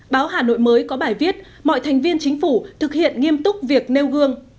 báo hà nội mới có bài viết mọi thành viên chính phủ thực hiện nghiêm túc việc nêu gương